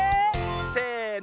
せの。